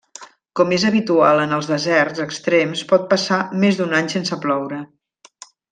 Com és habitual en els deserts extrems pot passar més d'un any sense ploure.